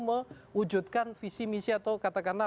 mewujudkan visi misi atau katakanlah